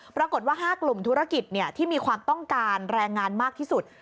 ปรากฏว่า๕กลุ่มธุรกิจที่มีความต้องการแรงงานมากที่สุด